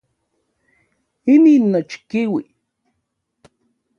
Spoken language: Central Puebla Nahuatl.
Inin nochikiui.